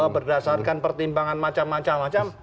berdasarkan pertimbangan macam macam